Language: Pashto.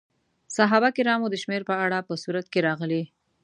د صحابه کرامو د شمېر په اړه په سورت کې راغلي.